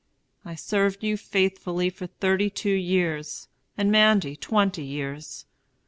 I served you faithfully for thirty two years, and Mandy twenty years.